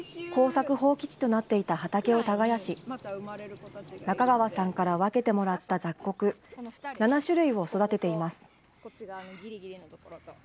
耕作放棄地となっていた畑を耕し、中川さんから分けてもらった雑穀、７種類を育てています。